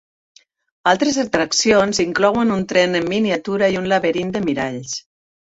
Altres atraccions inclouen un tren en miniatura i un laberint de miralls.